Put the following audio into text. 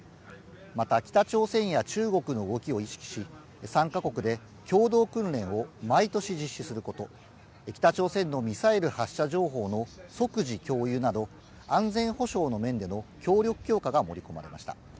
また北朝鮮や中国の動きを意識し、３か国で共同訓練を毎年実施すること、北朝鮮のミサイル発射情報の即時共有など、安全保障の面での協力強化が盛り込まれました。